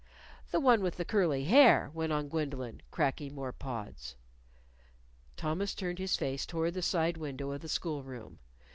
"The one with the curly hair," went on Gwendolyn, cracking more pods. Thomas turned his face toward the side window of the school room.